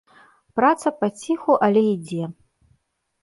Праца паціху але ідзе.